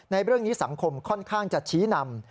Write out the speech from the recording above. ในเรื่องนี้สังคมค่อนข้างจะชี้นำ